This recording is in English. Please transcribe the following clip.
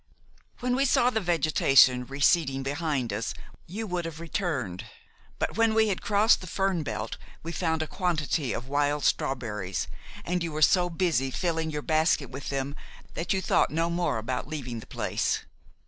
"When we saw the vegetation receding behind us you would have returned; but when we had crossed the fern belt we found a quantity of wild strawberries, and you were so busy filling your basket with them that you thought no more about leaving the place.